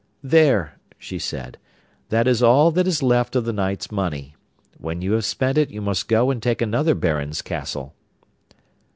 'There,' she said; 'that is all that is left of the knight's money. When you have spent it you must go and take another baron's castle.